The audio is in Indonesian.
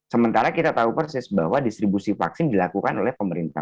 sementara kita tahu persis bahwa distribusi vaksin dilakukan oleh pemerintah